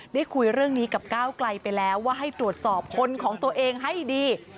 ได้คุยเรื่องนี้กับก้าวไกลไปแล้วว่าให้ตรวจสอบคนของตัวเองให้ดี